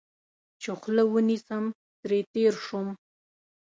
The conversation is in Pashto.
چې خوله ونیسم، ترې تېر شوم.